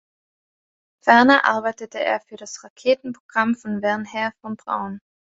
Ferner arbeitete er für das Raketenprogramm von Wernher von Braun.